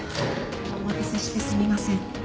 お待たせしてすみません。